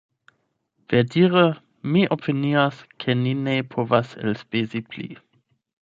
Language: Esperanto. Verdire mi opinias ke ni ne povas elspezi pli.